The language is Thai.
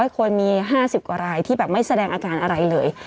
คนมี๕๐กว่ารายที่แบบไม่แสดงอาการอะไรเลย